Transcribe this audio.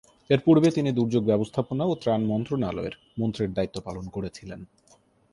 এর পূর্বে তিনি দুর্যোগ ব্যবস্থাপনা ও ত্রাণ মন্ত্রণালয়ের মন্ত্রীর দায়িত্ব পালন করেছিলেন।